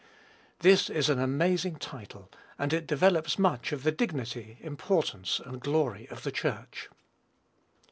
This is an amazing title, and it develops much of the dignity, importance, and glory of the Church.